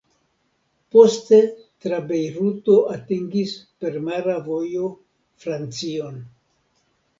Poste tra Bejruto atingis per mara vojo Francion.